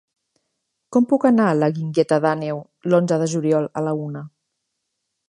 Com puc anar a la Guingueta d'Àneu l'onze de juliol a la una?